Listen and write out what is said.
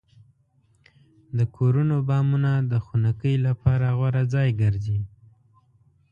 د کورونو بامونه د خنکۍ لپاره غوره ځای ګرځي.